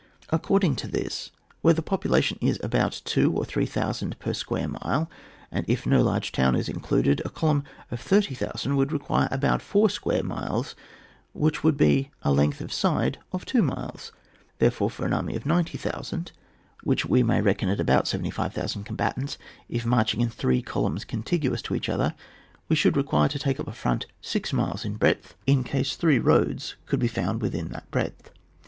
Ac cording to this, where the population is about 2,000 or 3,000 per square mile, and if no large town is included, a column of 30,000 would require about four square miles, which would be a length of side of two miles. Therefore for an army of 90,000, which we may reckon at about 75,000 combatants, if marching in three columns contiguous to each other, wo should require to take up a front six miles in breadth in ease CHAP, XlV.] SUBSISTENCE. 47 three roads could be found within that breadth.